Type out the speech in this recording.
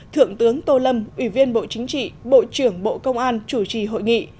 thượng tướng tô lâm ủy viên bộ chính trị bộ trưởng bộ công an chủ trì hội nghị